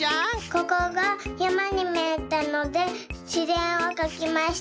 ここがやまにみえたのでしぜんをかきました。